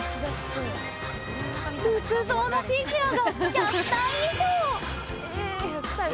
仏像のフィギュアが１００体以上！